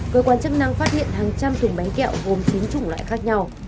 cơ quan chức năng phát hiện hàng trăm thùng bánh kẹo gồm chín chủng loại khác nhau